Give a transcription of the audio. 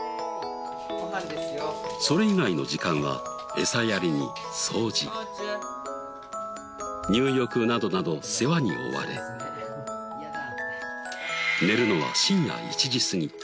それ以外の時間はエサやりに掃除入浴などなど世話に追われ寝るのは深夜１時過ぎ。